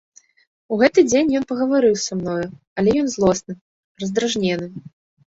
У гэты дзень ён пагаварыў са мною, але ён злосны, раздражнены.